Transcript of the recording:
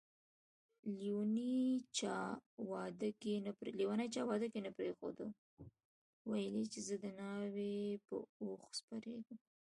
لیونی چا واده کی نه پریښود ده ويل چي زه دناوی په اوښ سپریږم